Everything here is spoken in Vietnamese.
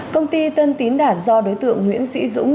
công ty tân tín đạt do đối tượng nguyễn sĩ dũng